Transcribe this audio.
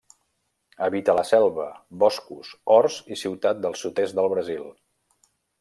Habita la selva, boscos, horts i ciutats del sud-est de Brasil.